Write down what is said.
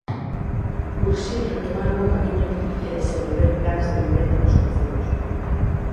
Urxe retomar o bo camiño e desenvolver plans de vivenda cos concellos.